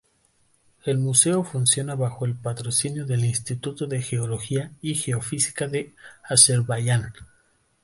El museo funciona bajo el patrocinio del Instituto de Geología y Geofísica de Azerbaiyán.